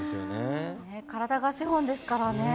体が資本ですからね。